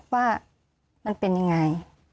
ว่ามันเป็นยังไง